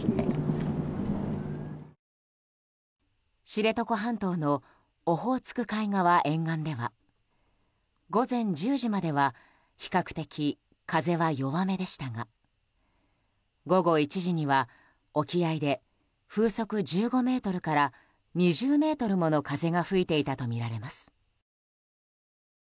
知床半島のオホーツク海側沿岸では午前１０時までは比較的、風は弱めでしたが午後１時には沖合で風速１５メートルから２０メートルの風が吹いていたとみられます。